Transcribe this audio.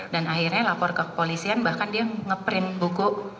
dan akhirnya lapor ke polisian bahkan dia nge print buku